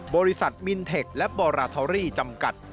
บริษัทมินเทคและบอราธอรี่จำกัด